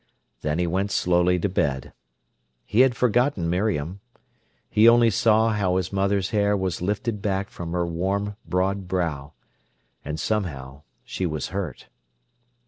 Then he went slowly to bed. He had forgotten Miriam; he only saw how his mother's hair was lifted back from her warm, broad brow. And somehow, she was hurt.